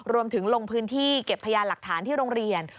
ลงพื้นที่เก็บพยานหลักฐานที่โรงเรียน